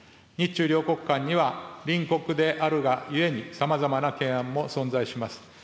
日中両国間には、隣国であるがゆえに、さまざまな懸案も存在します。